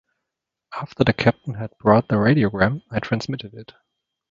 After the captain had brought the radiogram, I transmitted it.